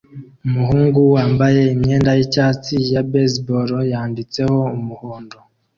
Umuhungu wambaye imyenda yicyatsi ya baseball yanditseho umuhondo